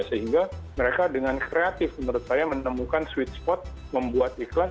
sehingga mereka dengan kreatif menurut saya menemukan sweet spot membuat iklan